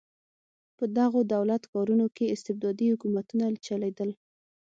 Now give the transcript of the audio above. په دغو دولت ښارونو کې استبدادي حکومتونه چلېدل.